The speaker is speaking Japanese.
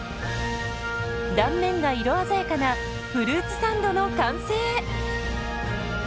断面が色鮮やかなフルーツサンドの完成。